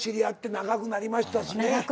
長くなりました。